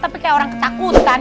tapi kayak orang ketakutan